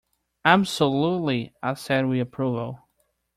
"Absolutely," I said with approval.